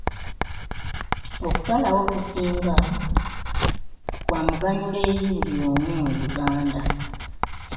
Okusalawo okusinga kwa muganyulo eri buli omu mu Uganda.